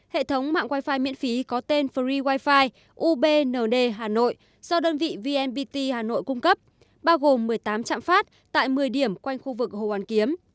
hệ thống mạng wifi miễn phí có tên free wifi ubnd hà nội do đơn vị vnpt hà nội cung cấp bao gồm một mươi tám trạm phát tại một mươi điểm quanh khu vực hồ hoàn kiếm